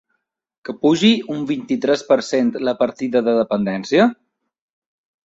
Que pugi un vint-i-tres per cent la partida de dependència?